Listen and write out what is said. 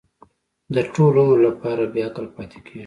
د ټول عمر لپاره بې عقل پاتې کېږي.